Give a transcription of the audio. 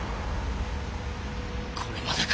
これまでか。